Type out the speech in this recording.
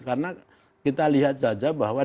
karena kita lihat saja bahwa